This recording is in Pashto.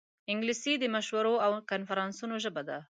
انګلیسي د مشورو او کنفرانسونو ژبه ده